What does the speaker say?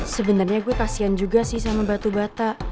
sebenernya gue kasihan juga sih sama batu bata